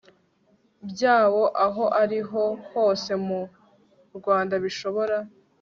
byawo ahoriho hose mu Rwanda Bishobora